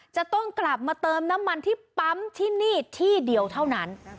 จะต้องกลับมาเติมน้ำมันที่ปั๊มที่นี่ที่เดียวเท่านั้น